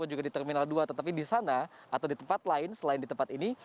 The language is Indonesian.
juga di terminal dua tetapi di sana atau di tempat lain selain di tempat ini